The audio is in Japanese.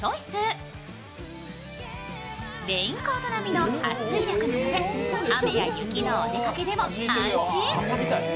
レインコート並みのはっ水力なので、雨や雪のお出かけでも安心。